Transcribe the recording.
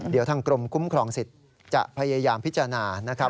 เดี๋ยวทางกรมคุ้มครองสิทธิ์จะพยายามพิจารณานะครับ